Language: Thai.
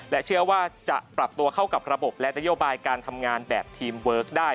เชื่อว่าจะปรับตัวเข้ากับระบบและนโยบายการทำงานแบบทีมเวิร์คได้